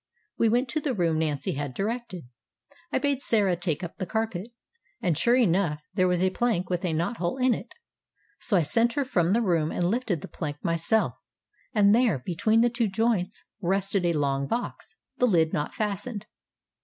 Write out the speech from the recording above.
We went to the room Nancy had directed. I bade Sarah take up the carpet, and, sure enough, there was a plank with a knot hole in it; so I sent her from the room, and lifted the plank myself, and there, between the two joints, rested a long box, the lid not fastened.